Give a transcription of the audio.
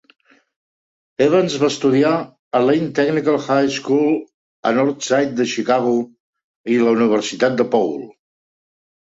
Evans va estudiar a Lane Technical High School a Nord Side de Chicago i la Universitat DePaul.